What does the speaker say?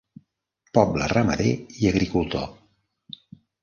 Poble ramader i agricultor.